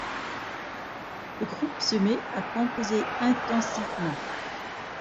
Le groupe se met à composer intensivement.